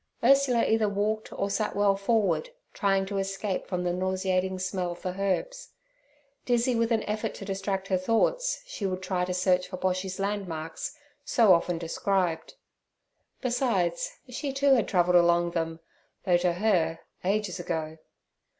Ursula either walked or sat well forward, trying to escape from the nauseating smell of the herbs. Dizzy with an effort to distract her thoughts, she would try to search for Boshy's landmarks, so often described. Besides, she too had travelled along them, though, to her, ages ago.